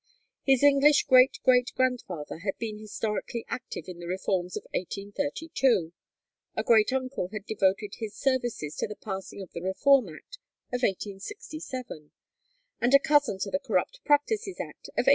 His English great great grandfather had been historically active in the reforms of 1832; a great uncle had devoted his services to the passing of the Reform Act of 1867; and a cousin to the Corrupt Practices Act of 1883.